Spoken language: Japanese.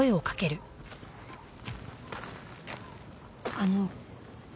あの。